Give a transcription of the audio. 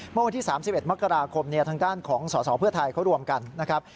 เมื่อวันที่๓๑มกราคมทางด้านของสสเพื่อไทยเขารวมกันนะครับ